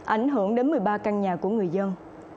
ảnh hưởng đến một mươi ba căn nhà của người dân